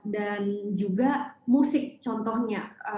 dan juga musik contohnya